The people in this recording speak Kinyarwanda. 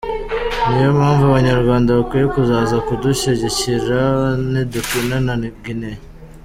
Niyo mpamvu Abanyarwanda bakwiye kuzaza kudushyigikira nidukina na Guinea.”